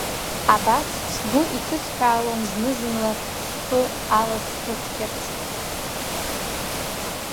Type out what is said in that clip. Абас сгәы иҭысҳәаалон зны-зынла, схы аласырқьиарц.